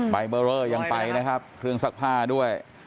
ใบเบอร์เรอยังไปนะครับเครื่องซักผ้าด้วย